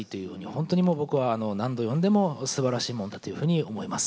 本当にもう僕は何度読んでもすばらしいもんだというふうに思います。